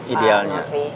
idealnya pak norvi